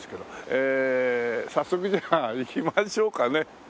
ええ早速じゃあ行きましょうかね。